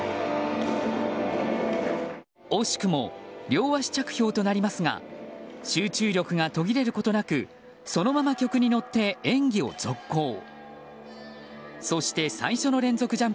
惜しくも両足着氷となりますが集中力が途切れることなくそのまま曲に乗って演技を続行。